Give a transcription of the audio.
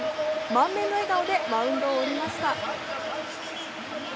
満面の笑顔でマウンドを降りました。